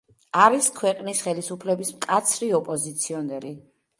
არის ქვეყნის ხელისუფლების მკაცრი ოპოზიციონერი.